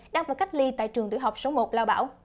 đang và cách ly tại trường tiểu học số một lao bảo